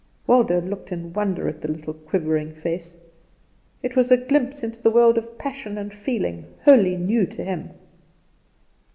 Waldo looked in wonder at the little quivering face; it was a glimpse into a world of passion and feeling wholly new to him.